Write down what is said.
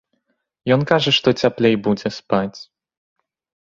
Ён кажа, што цяплей будзе спаць.